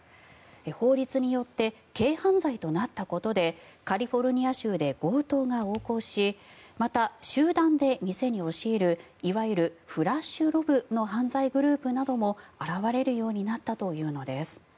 法律によって軽犯罪となったことでカリフォルニア州で強盗が横行しまた、集団で店に押し入るいわゆるフラッシュロブの犯罪グループなども現れるようになったというのです。